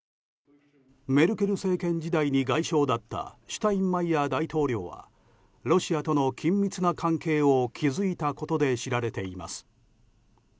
メルケル政権時代に外相だったシュタインマイヤー大統領はロシアとの緊密な関係を築いたことで知られています。